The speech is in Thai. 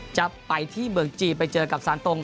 จะไปที่เมืองจีนไปเจอกับซานตรง